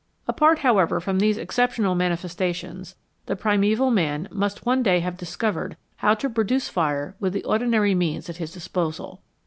Apart, however, from these exceptional manifestations, the primeval man must one day have discovered how to produce fire with the ordinary means at his disposal.